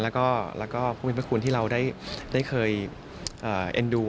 แล้วก็ภูมิพระคุณที่เราได้เคยเอ็นดู